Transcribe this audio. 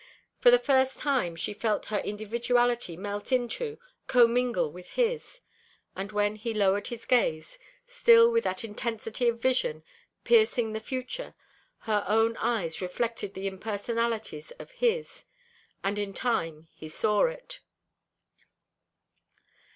For the first time she felt her individuality melt into, commingle with his: and when he lowered his gaze, still with that intensity of vision piercing the future, her own eyes reflected the impersonalities of his; and in time he saw it.